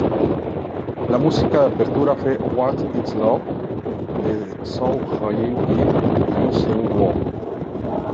La música de apertura fue "What Is Love" de Seo Hyun-jin y Yoo Seung-woo.